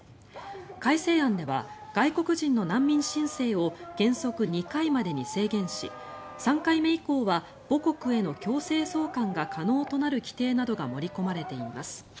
改正案では外国人の難民申請を原則２回までに制限し３回目以降は母国への強制送還が可能となる規定などが盛り込まれています。